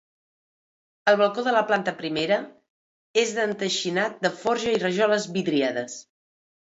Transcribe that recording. El balcó de la planta primera és d'enteixinat de forja i rajoles vidriades.